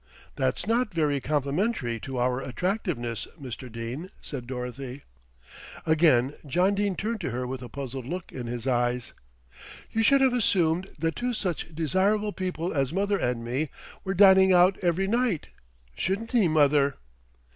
"That's not very complimentary to our attractiveness, Mr. Dene," said Dorothy. Again John Dene turned to her with a puzzled look in his eyes. "You should have assumed that two such desirable people as mother and me were dining out every night, shouldn't he, mother?"